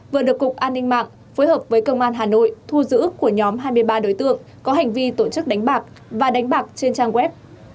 vừa được cục an ninh mạng phối hợp với công an hà nội thu giữ của nhóm hai mươi ba đối tượng có hành vi tổ chức đánh bạc và đánh bạc trên trang web